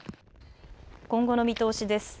今後の見通しです。